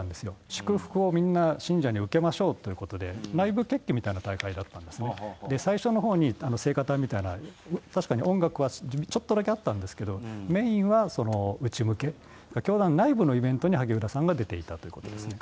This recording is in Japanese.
祝福をみんな信者に受けましょうということで、内部決起みたいなもので、最初のほうに聖歌隊みたいな確かに音楽はちょっとだけあったんですけれども、メインは内向け、教団内部のイベントに萩生田さんが出ていたということですね。